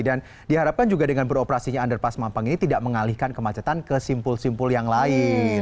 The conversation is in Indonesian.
dan diharapkan juga dengan beroperasinya underpass mampang ini tidak mengalihkan kemacetan ke simpul simpul yang lain